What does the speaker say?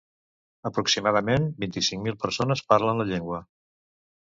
Aproximadament vint-i-cinc mil persones parlen la llengua.